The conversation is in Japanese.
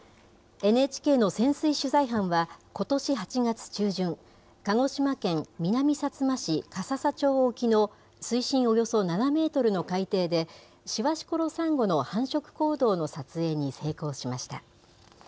ＮＨＫの潜水取材班はことし８月中旬、鹿児島県南さつま市笠沙町沖の水深およそ７メートルの海底で、シワシコロサンゴの繁殖行動の撮影に成功しました。